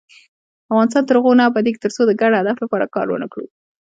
افغانستان تر هغو نه ابادیږي، ترڅو د ګډ هدف لپاره کار ونکړو.